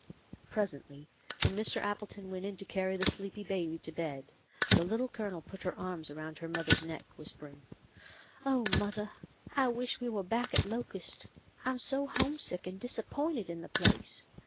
Presently, when Mr. Appleton went in to carry the sleepy baby to bed, the Little Colonel put her arms around her mother's neck, whispering, " Oh, mothah, I wish we were back at Locust. I'm so homesick and disappointed in the place.